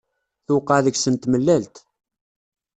Tewqeɛ deg-sen tmellalt.